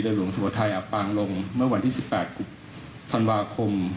เรือหลวงสวทัยอัปราณ์ลงเมื่อวันที่๑๘ทันวาคม